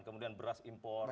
kemudian beras impor